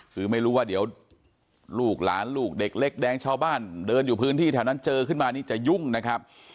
คือไม่รู้ว่าเดี๋ยวลูกหลานลูกเด็กเล็กแดงชาวบ้านเดินอยู่พื้นที่แถวนั้นเจอขึ้นมานี่จะยุ่งนะครับ